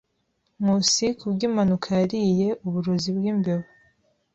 Nkusi ku bw'impanuka yariye uburozi bwimbeba.